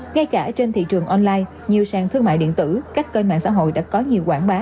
ngay cả trên thị trường online nhiều sàn thương mại điện tử các kênh mạng xã hội đã có nhiều quảng bá